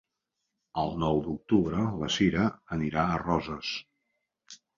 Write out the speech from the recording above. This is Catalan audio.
El nou d'octubre na Cira irà a Roses.